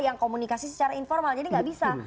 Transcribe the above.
yang komunikasi secara informal jadi nggak bisa